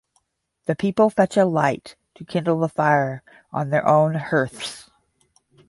The people fetch a light to kindle the fire on their own hearths.